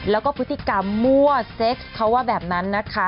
แล้วก็พฤติกรรมมั่วเซ็กซ์เขาว่าแบบนั้นนะคะ